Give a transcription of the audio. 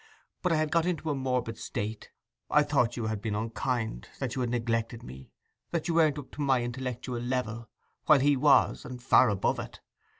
But I had got into a morbid state: I thought you had been unkind; that you had neglected me; that you weren't up to my intellectual level, while he was, and far above it.